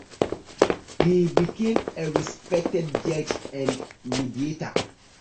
He became a respected judge and mediator.